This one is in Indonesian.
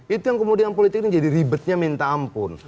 itu yang kemudian politik ini jadi ribetnya minta ampun